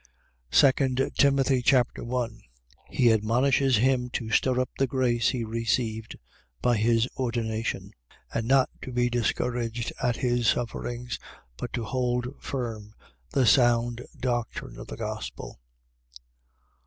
2 Timothy Chapter 1 He admonishes him to stir up the grace he received by his ordination and not to be discouraged at his sufferings, but to hold firm the sound doctrine of the gospel.